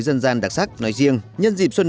dân gian đặc sắc nói riêng nhân dịp xuân